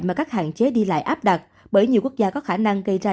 mà các hạn chế đi lại áp đặt bởi nhiều quốc gia có khả năng gây ra